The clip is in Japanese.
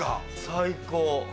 最高。